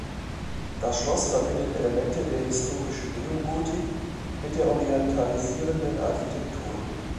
Das Schloss verbindet Elemente der historistischen Neogotik mit der orientalisierenden Architektur.